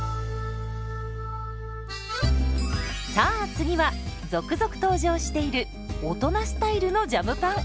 さあ次は続々登場している大人スタイルのジャムパン。